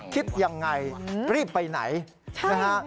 คิดยังไงรีบไปไหนใช่ไหมนะฮะ